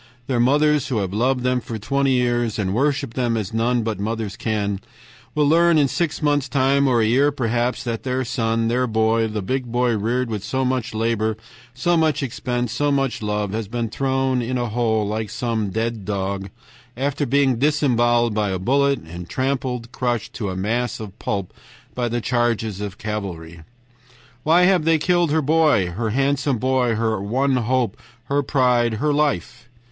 Their mothers, who have loved them for twenty years, worshiped them as none but mothers can, will learn in six months' time, or a year perhaps, that their son, their boy, the big boy reared with so much labor, so much expense, so much love, has been thrown in a hole like some dead dog, after being disemboweled by a bullet, and trampled, crushed, to a mass of pulp by the charges of cavalry. Why have they killed her boy, her handsome boy, her one hope, her pride, her life?